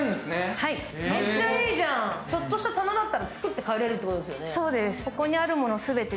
めっちゃいいじゃん、ちょっとした棚だったら作って持ってかえれるということだよね。